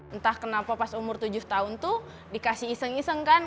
entah kenapa pas umur tujuh tahun tuh dikasih iseng iseng kan